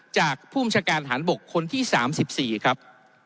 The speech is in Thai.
จากผู้บัญชาการฐานบกคนที่๓๔ครับ